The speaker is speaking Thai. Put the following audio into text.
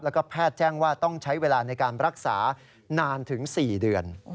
แล้วก็แพทย์แจ้งว่าต้องใช้เวลาในการรักษานานถึง๔เดือน